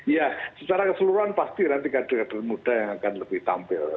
ya secara keseluruhan pasti nanti kader kader muda yang akan lebih tampil